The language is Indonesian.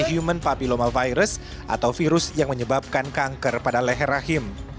human papilloma virus atau virus yang menyebabkan kanker pada leher rahim